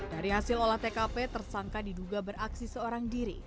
dari hasil olah tkp tersangka diduga beraksi seorang diri